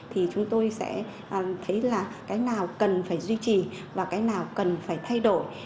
thì chúng tôi sẽ thấy là cái nào cần phải duy trì và cái nào cần phải thay đổi